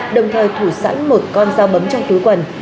đồng thời thủ sẵn một con dao bấm trong túi quần